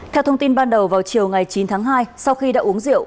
theo thông tin ban đầu vào chiều ngày chín tháng hai sau khi đã uống rượu